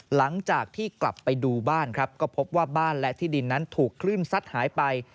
หลังจากที่กลับไปดูบ้านครับก็พบว่าบ้านและที่ดินนั้นถูกคลื่นซัดหายไป